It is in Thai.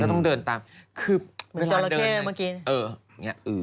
แล้วต้องเดินตามคือเวลาเดินอย่างนี้เออ